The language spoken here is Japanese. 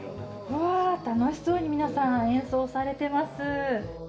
わあ、楽しそうに皆さん演奏されてます。